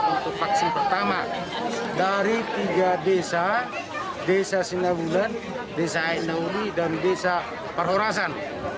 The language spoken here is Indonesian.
untuk vaksin pertama dari tiga desa desa singawulan desa aiknaudi dan desa perhorasan